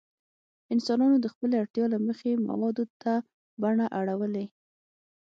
انسانانو د خپلې اړتیا له مخې موادو ته بڼه اړولې.